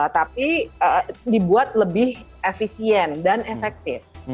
tapi dibuat lebih efisien dan efektif